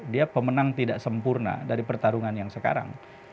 dia pemenang tidak sempurna dari pertarungan yang sekarang